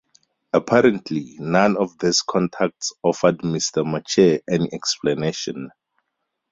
Apparently, none of these contacts offered Mr. Matchett any explanation.